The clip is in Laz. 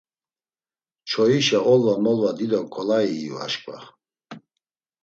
Çoyişa olva molva dido ǩolayi iyu aşǩva.